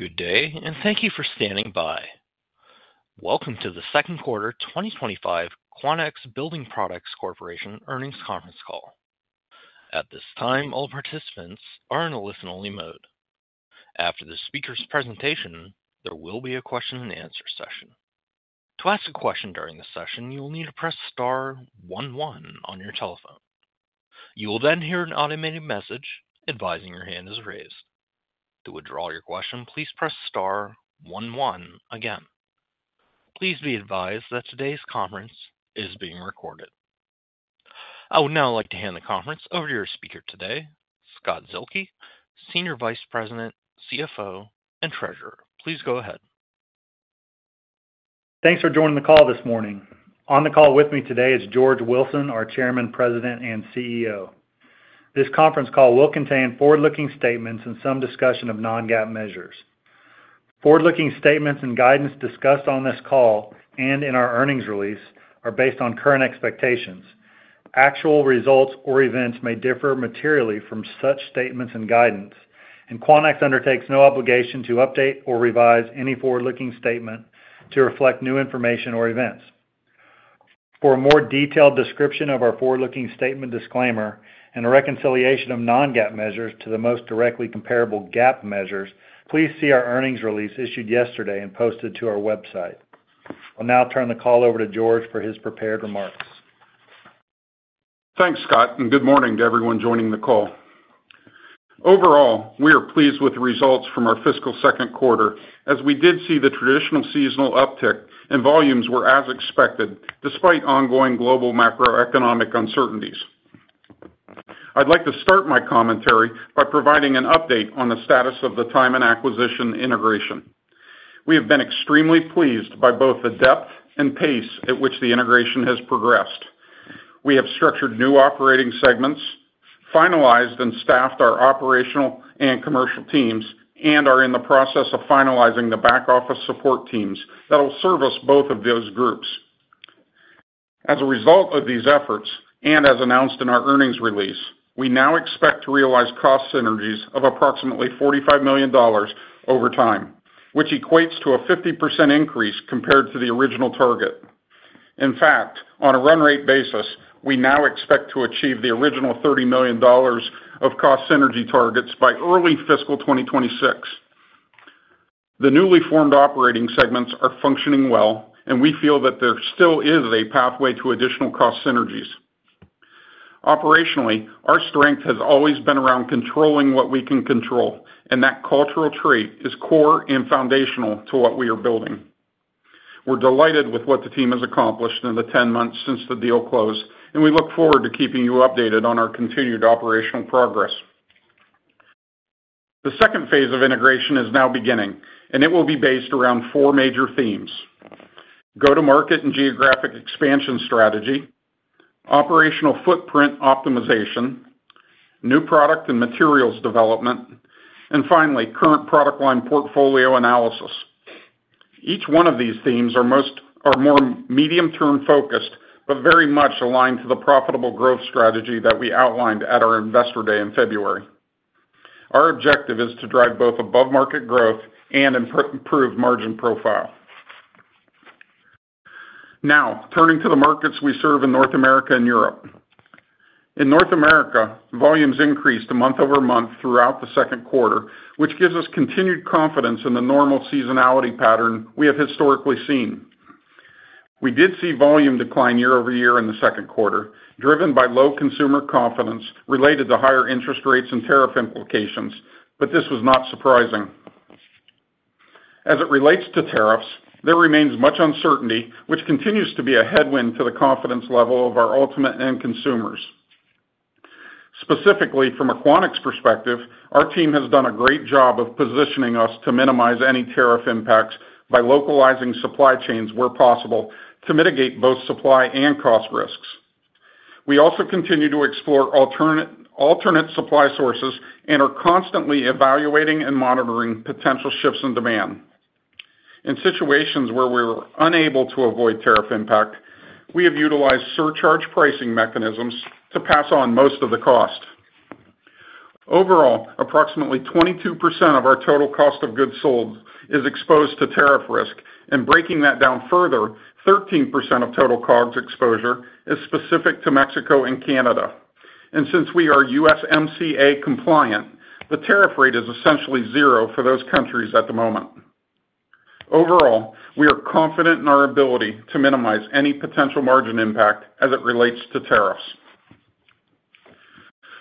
Good day, and thank you for standing by. Welcome to the second quarter 2025 Quanex Building Products Corporation earnings conference call. At this time, all participants are in a listen-only mode. After the speaker's presentation, there will be a question-and-answer session. To ask a question during the session, you will need to press star 11 on your telephone. You will then hear an automated message advising your hand is raised. To withdraw your question, please press star 11 again. Please be advised that today's conference is being recorded. I would now like to hand the conference over to your speaker today, Scott Zuehlke, Senior Vice President, CFO, and Treasurer. Please go ahead. Thanks for joining the call this morning. On the call with me today is George Wilson, our Chairman, President, and CEO. This conference call will contain forward-looking statements and some discussion of non-GAAP measures. Forward-looking statements and guidance discussed on this call and in our earnings release are based on current expectations. Actual results or events may differ materially from such statements and guidance, and Quanex undertakes no obligation to update or revise any forward-looking statement to reflect new information or events. For a more detailed description of our forward-looking statement disclaimer and a reconciliation of non-GAAP measures to the most directly comparable GAAP measures, please see our earnings release issued yesterday and posted to our website. I'll now turn the call over to George for his prepared remarks. Thanks, Scott, and good morning to everyone joining the call. Overall, we are pleased with the results from our fiscal second quarter, as we did see the traditional seasonal uptick, and volumes were as expected despite ongoing global macroeconomic uncertainties. I'd like to start my commentary by providing an update on the status of the Tyman acquisition integration. We have been extremely pleased by both the depth and pace at which the integration has progressed. We have structured new operating segments, finalized and staffed our operational and commercial teams, and are in the process of finalizing the back-office support teams that will service both of those groups. As a result of these efforts, and as announced in our earnings release, we now expect to realize cost synergies of approximately $45 million over time, which equates to a 50% increase compared to the original target. In fact, on a run-rate basis, we now expect to achieve the original $30 million of cost synergy targets by early fiscal 2026. The newly formed operating segments are functioning well, and we feel that there still is a pathway to additional cost synergies. Operationally, our strength has always been around controlling what we can control, and that cultural trait is core and foundational to what we are building. We're delighted with what the team has accomplished in the 10 months since the deal closed, and we look forward to keeping you updated on our continued operational progress. The second phase of integration is now beginning, and it will be based around four major themes: go-to-market and geographic expansion strategy, operational footprint optimization, new product and materials development, and finally, current product line portfolio analysis. Each one of these themes are more medium-term focused but very much aligned to the profitable growth strategy that we outlined at our investor day in February. Our objective is to drive both above-market growth and improve margin profile. Now, turning to the markets we serve in North America and Europe. In North America, volumes increased month over month throughout the second quarter, which gives us continued confidence in the normal seasonality pattern we have historically seen. We did see volume decline year over year in the second quarter, driven by low consumer confidence related to higher interest rates and tariff implications, but this was not surprising. As it relates to tariffs, there remains much uncertainty, which continues to be a headwind to the confidence level of our ultimate end consumers. Specifically, from a Quanex perspective, our team has done a great job of positioning us to minimize any tariff impacts by localizing supply chains where possible to mitigate both supply and cost risks. We also continue to explore alternate supply sources and are constantly evaluating and monitoring potential shifts in demand. In situations where we were unable to avoid tariff impact, we have utilized surcharge pricing mechanisms to pass on most of the cost. Overall, approximately 22% of our total cost of goods sold is exposed to tariff risk, and breaking that down further, 13% of total COGS exposure is specific to Mexico and Canada. Since we are USMCA compliant, the tariff rate is essentially zero for those countries at the moment. Overall, we are confident in our ability to minimize any potential margin impact as it relates to tariffs.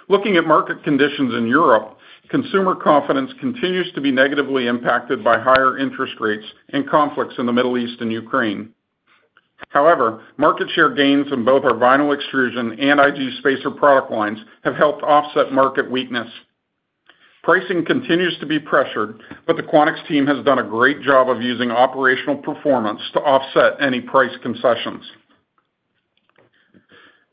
Looking at market conditions in Europe, consumer confidence continues to be negatively impacted by higher interest rates and conflicts in the Middle East and Ukraine. However, market share gains in both our vinyl extrusion and IG spacer product lines have helped offset market weakness. Pricing continues to be pressured, but the Quanex team has done a great job of using operational performance to offset any price concessions.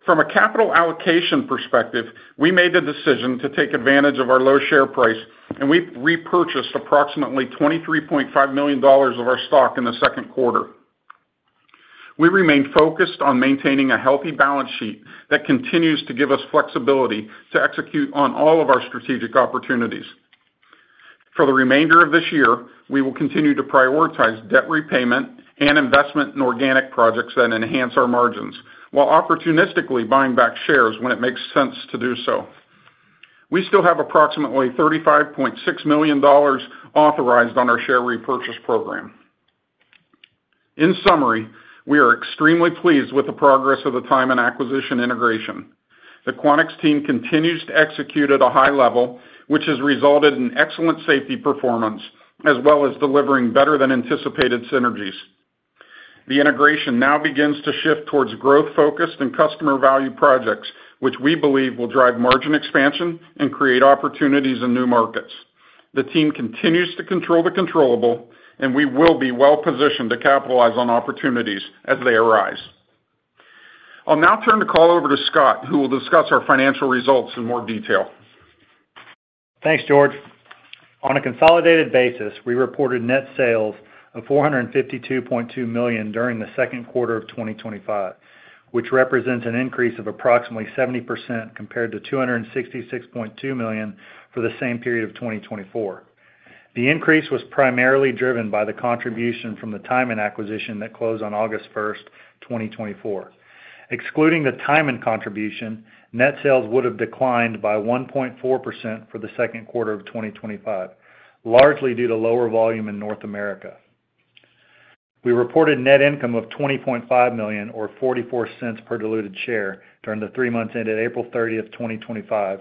From a capital allocation perspective, we made a decision to take advantage of our low share price, and we've repurchased approximately $23.5 million of our stock in the second quarter. We remain focused on maintaining a healthy balance sheet that continues to give us flexibility to execute on all of our strategic opportunities. For the remainder of this year, we will continue to prioritize debt repayment and investment in organic projects that enhance our margins, while opportunistically buying back shares when it makes sense to do so. We still have approximately $35.6 million authorized on our share repurchase program. In summary, we are extremely pleased with the progress of the Tyman acquisition integration. The Quanex team continues to execute at a high level, which has resulted in excellent safety performance as well as delivering better-than-anticipated synergies. The integration now begins to shift towards growth-focused and customer-value projects, which we believe will drive margin expansion and create opportunities in new markets. The team continues to control the controllable, and we will be well-positioned to capitalize on opportunities as they arise. I'll now turn the call over to Scott, who will discuss our financial results in more detail. Thanks, George. On a consolidated basis, we reported net sales of $452.2 million during the second quarter of 2025, which represents an increase of approximately 70% compared to $266.2 million for the same period of 2024. The increase was primarily driven by the contribution from the Tyman acquisition that closed on August 1, 2024. Excluding the Tyman contribution, net sales would have declined by 1.4% for the second quarter of 2025, largely due to lower volume in North America. We reported net income of $20.5 million, or $0.44 per diluted share, during the three months ended April 30, 2025,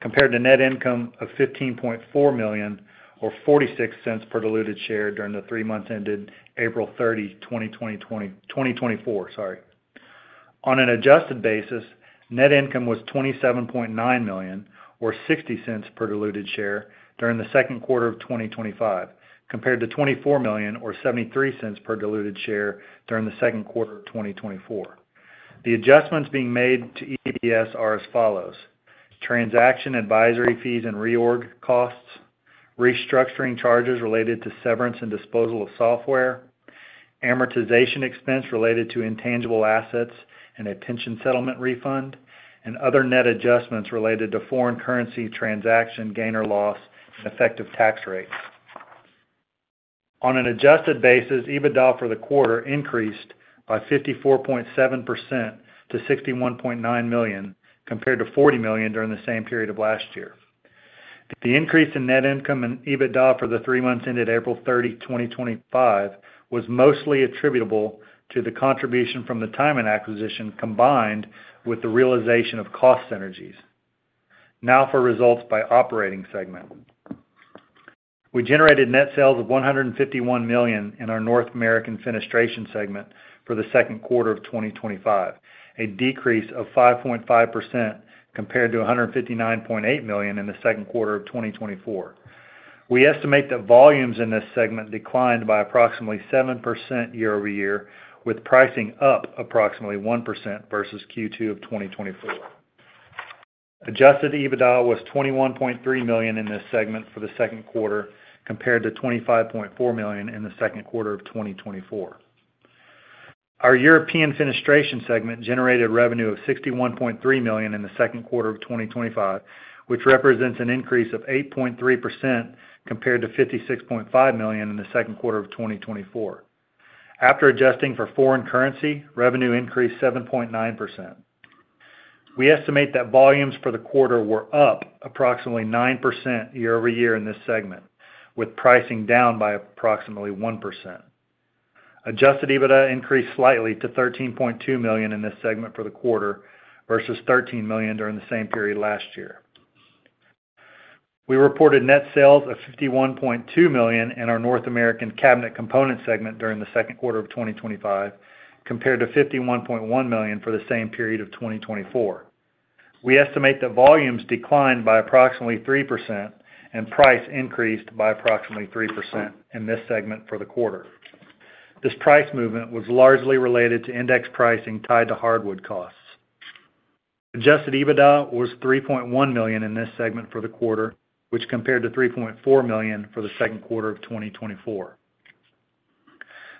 compared to net income of $15.4 million, or $0.46 per diluted share, during the three months ended April 30, 2024. On an adjusted basis, net income was $27.9 million, or $0.60 per diluted share, during the second quarter of 2025, compared to $24 million, or $0.73 per diluted share, during the second quarter of 2024. The adjustments being made to EDS are as follows: transaction advisory fees and reorg costs, restructuring charges related to severance and disposal of software, amortization expense related to intangible assets and attention settlement refund, and other net adjustments related to foreign currency transaction gain or loss and effective tax rates. On an adjusted basis, EBITDA for the quarter increased by 54.7% to $61.9 million, compared to $40 million during the same period of last year. The increase in net income and EBITDA for the three months ended April 30, 2025, was mostly attributable to the contribution from the Tyman acquisition combined with the realization of cost synergies. Now for results by operating segment. We generated net sales of $151 million in our North American fenestration segment for the second quarter of 2025, a decrease of 5.5% compared to $159.8 million in the second quarter of 2024. We estimate that volumes in this segment declined by approximately 7% year over year, with pricing up approximately 1% versus Q2 of 2024. Adjusted EBITDA was $21.3 million in this segment for the second quarter, compared to $25.4 million in the second quarter of 2024. Our European fenestration segment generated revenue of $61.3 million in the second quarter of 2025, which represents an increase of 8.3% compared to $56.5 million in the second quarter of 2024. After adjusting for foreign currency, revenue increased 7.9%. We estimate that volumes for the quarter were up approximately 9% year over year in this segment, with pricing down by approximately 1%. Adjusted EBITDA increased slightly to $13.2 million in this segment for the quarter versus $13 million during the same period last year. We reported net sales of $51.2 million in our North American cabinet components segment during the second quarter of 2025, compared to $51.1 million for the same period of 2024. We estimate that volumes declined by approximately 3% and price increased by approximately 3% in this segment for the quarter. This price movement was largely related to index pricing tied to hardwood costs. Adjusted EBITDA was $3.1 million in this segment for the quarter, which compared to $3.4 million for the second quarter of 2024.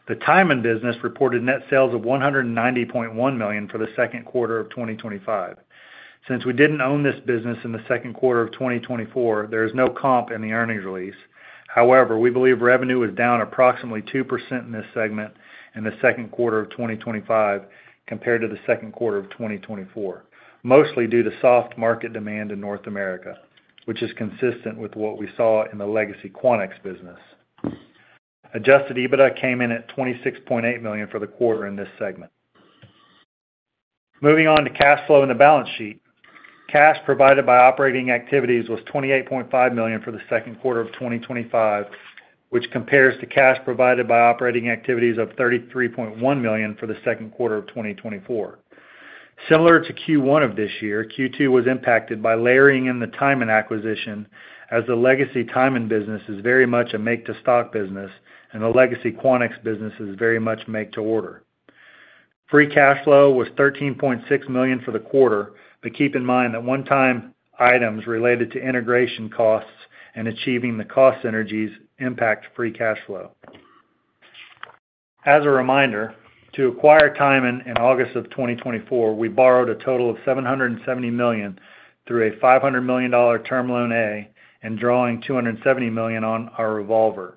The Tyman business reported net sales of $190.1 million for the second quarter of 2025. Since we did not own this business in the second quarter of 2024, there is no comp in the earnings release. However, we believe revenue was down approximately 2% in this segment in the second quarter of 2025 compared to the second quarter of 2024, mostly due to soft market demand in North America, which is consistent with what we saw in the legacy Quanex business. Adjusted EBITDA came in at $26.8 million for the quarter in this segment. Moving on to cash flow and the balance sheet, cash provided by operating activities was $28.5 million for the second quarter of 2025, which compares to cash provided by operating activities of $33.1 million for the second quarter of 2024. Similar to Q1 of this year, Q2 was impacted by layering in the Tyman acquisition, as the legacy Tyman business is very much a make-to-stock business, and the legacy Quanex business is very much make-to-order. Free cash flow was $13.6 million for the quarter, but keep in mind that one-time items related to integration costs and achieving the cost synergies impact free cash flow. As a reminder, to acquire Tyman in August of 2024, we borrowed a total of $770 million through a $500 million term loan A and drawing $270 million on our revolver.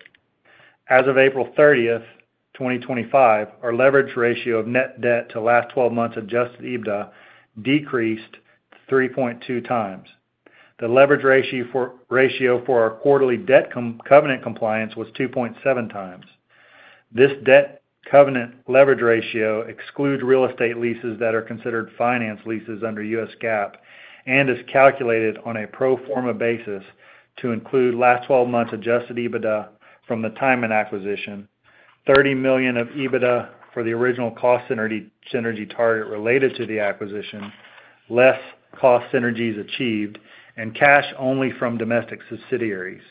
As of April 30, 2025, our leverage ratio of net debt to last 12 months adjusted EBITDA decreased 3.2 times. The leverage ratio for our quarterly debt covenant compliance was 2.7 times. This debt covenant leverage ratio excludes real estate leases that are considered finance leases under U.S. GAAP and is calculated on a pro forma basis to include last 12 months adjusted EBITDA from the Tyman acquisition, $30 million of EBITDA for the original cost synergy target related to the acquisition, less cost synergies achieved, and cash only from domestic subsidiaries.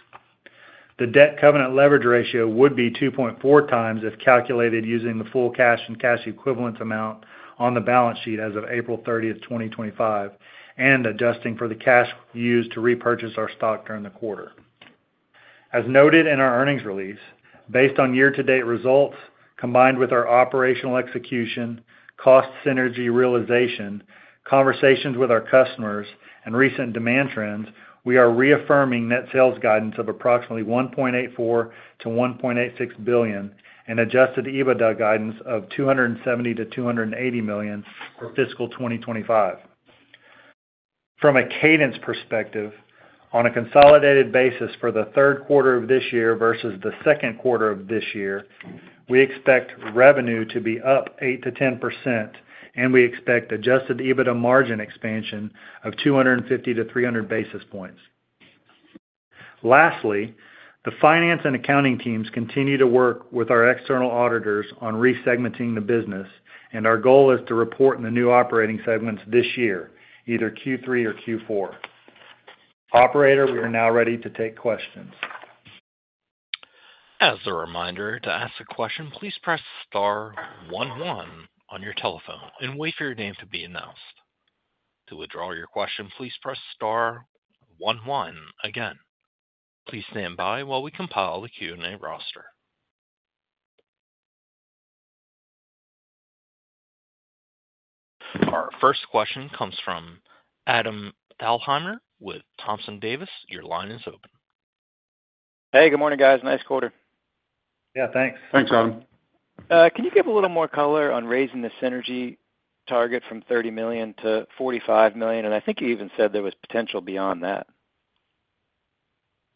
The debt covenant leverage ratio would be 2.4 times if calculated using the full cash and cash equivalents amount on the balance sheet as of April 30, 2025, and adjusting for the cash used to repurchase our stock during the quarter. As noted in our earnings release, based on year-to-date results combined with our operational execution, cost synergy realization, conversations with our customers, and recent demand trends, we are reaffirming net sales guidance of approximately $1.84 billion-$1.86 billion and adjusted EBITDA guidance of $270 million-$280 million for fiscal 2025. From a cadence perspective, on a consolidated basis for the third quarter of this year versus the second quarter of this year, we expect revenue to be up 8%-10%, and we expect adjusted EBITDA margin expansion of 250-300 basis points. Lastly, the finance and accounting teams continue to work with our external auditors on resegmenting the business, and our goal is to report in the new operating segments this year, either Q3 or Q4. Operator, we are now ready to take questions. As a reminder, to ask a question, please press star 11 on your telephone and wait for your name to be announced. To withdraw your question, please press star 11 again. Please stand by while we compile the Q&A roster. Our first question comes from Adam Alzheimer with Thompson Davis. Your line is open. Hey, good morning, guys. Nice quarter. Yeah, thanks. Thanks, Adam. Can you give a little more color on raising the synergy target from $30 million to $45 million? I think you even said there was potential beyond that.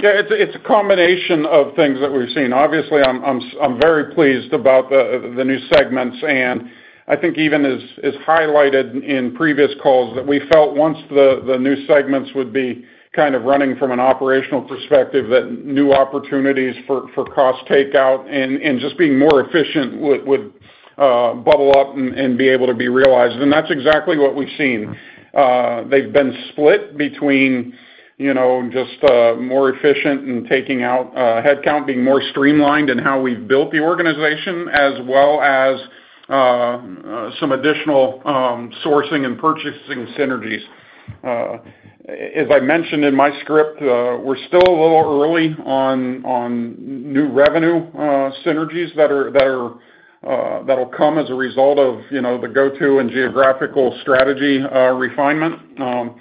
Yeah, it's a combination of things that we've seen. Obviously, I'm very pleased about the new segments, and I think even as highlighted in previous calls that we felt once the new segments would be kind of running from an operational perspective that new opportunities for cost takeout and just being more efficient would bubble up and be able to be realized. That's exactly what we've seen. They've been split between just more efficient and taking out headcount, being more streamlined in how we've built the organization, as well as some additional sourcing and purchasing synergies. As I mentioned in my script, we're still a little early on new revenue synergies that will come as a result of the go-to and geographical strategy refinement. Kind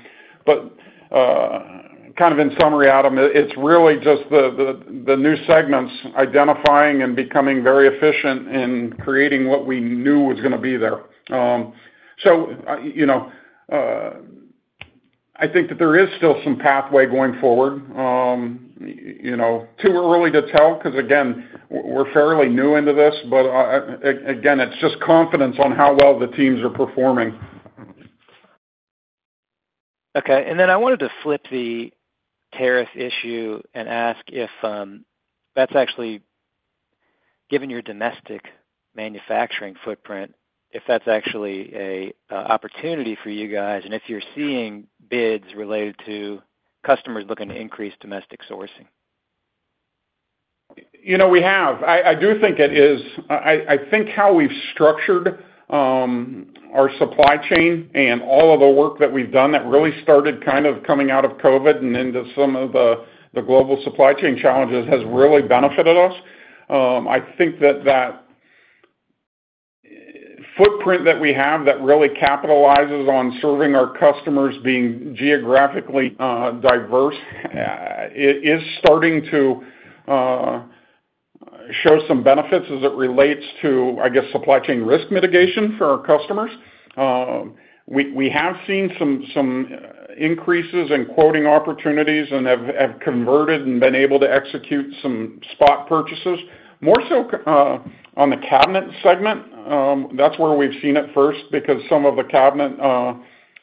of in summary, Adam, it's really just the new segments identifying and becoming very efficient in creating what we knew was going to be there. I think that there is still some pathway going forward. Too early to tell because, again, we're fairly new into this, but again, it's just confidence on how well the teams are performing. Okay. I wanted to flip the tariff issue and ask if that's actually, given your domestic manufacturing footprint, if that's actually an opportunity for you guys and if you're seeing bids related to customers looking to increase domestic sourcing. We have. I do think it is. I think how we've structured our supply chain and all of the work that we've done that really started kind of coming out of COVID and into some of the global supply chain challenges has really benefited us. I think that that footprint that we have that really capitalizes on serving our customers being geographically diverse is starting to show some benefits as it relates to, I guess, supply chain risk mitigation for our customers. We have seen some increases in quoting opportunities and have converted and been able to execute some spot purchases, more so on the cabinet segment. That is where we've seen it first because some of the cabinet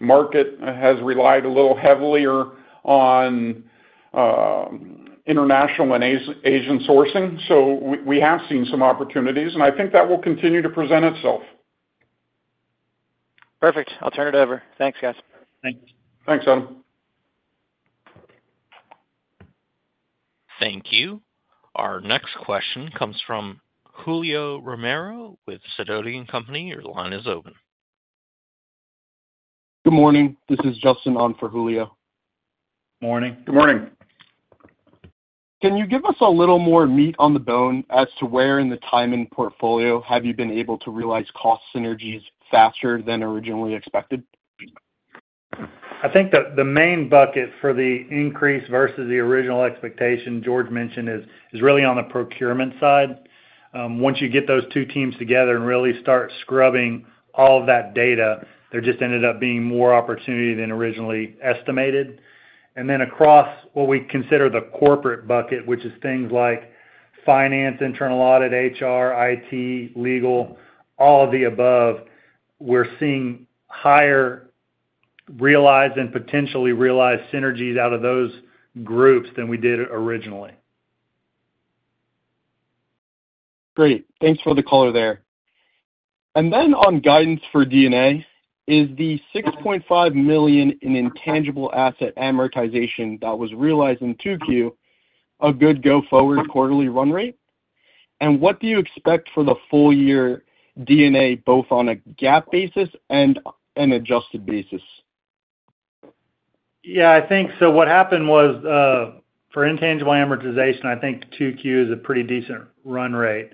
market has relied a little heavier on international and Asian sourcing. We have seen some opportunities, and I think that will continue to present itself. Perfect. I'll turn it over. Thanks, guys. Thanks. Thanks, Adam. Thank you. Our next question comes from Julio Romero with Sidoti & Company. Your line is open. Good morning. This is Justin On for Julio. Morning. Good morning. Can you give us a little more meat on the bone as to where in the Tyman portfolio have you been able to realize cost synergies faster than originally expected? I think the main bucket for the increase versus the original expectation George mentioned is really on the procurement side. Once you get those two teams together and really start scrubbing all of that data, there just ended up being more opportunity than originally estimated. Across what we consider the corporate bucket, which is things like finance, internal audit, HR, IT, legal, all of the above, we're seeing higher realized and potentially realized synergies out of those groups than we did originally. Great. Thanks for the color there. On guidance for D&A, is the $6.5 million in intangible asset amortization that was realized in 2Q a good go-forward quarterly run rate? What do you expect for the full year D&A, both on a GAAP basis and an adjusted basis? Yeah, I think so what happened was for intangible amortization, I think 2Q is a pretty decent run rate.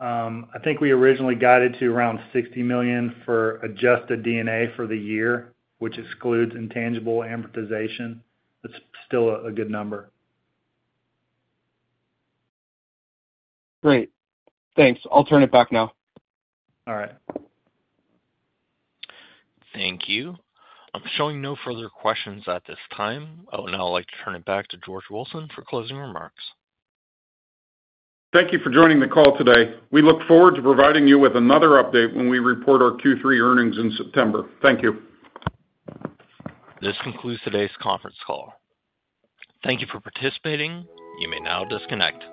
I think we originally guided to around $60 million for adjusted D&A for the year, which excludes intangible amortization. That's still a good number. Great. Thanks. I'll turn it back now. All right. Thank you. I'm showing no further questions at this time. Oh, now I'd like to turn it back to George Wilson for closing remarks. Thank you for joining the call today. We look forward to providing you with another update when we report our Q3 earnings in September. Thank you. This concludes today's conference call. Thank you for participating. You may now disconnect.